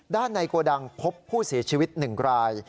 ด้านในโกดังพบผู้เสียชีวิต๑ราย